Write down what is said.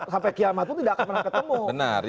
sampai kiamat pun tidak akan pernah ketemu